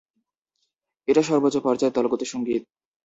এটা সর্বোচ্চ পর্যায়ের দলগত সঙ্গীত।